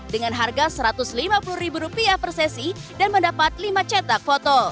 dengan harga rp satu ratus lima puluh per sesi dan mendapat lima cetak foto